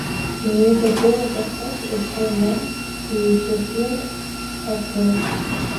Il est d'abord avocat au Parlement, puis greffier à Pau.